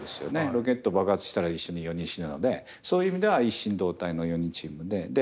ロケット爆発したら一緒に４人死ぬのでそういう意味では一心同体の４人チームで。